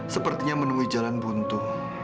sepertinya menunggu jalan buntu